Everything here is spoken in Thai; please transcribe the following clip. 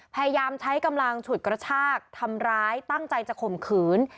พยายามใช้กำลังฉุดกระชากทำร้ายตั้งใจจะข่มขืน